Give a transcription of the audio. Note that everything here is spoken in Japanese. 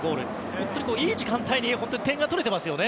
本当に、いい時間帯に点が取れていますよね。